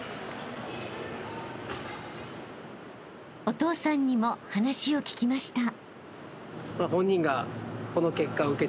［お父さんにも話を聞きました］